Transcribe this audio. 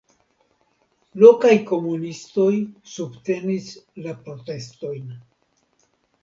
Lokaj komunistoj subtenis la protestojn.